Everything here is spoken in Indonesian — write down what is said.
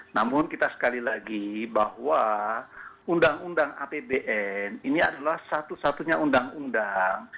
namun kita sekali lagi bahwa undang undang apbn ini adalah satu satunya undang undang